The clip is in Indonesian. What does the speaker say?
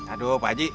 aduh pak haji